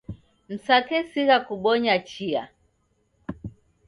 Msakesigha kubonya chia